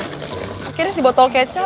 akhirnya si botol kecap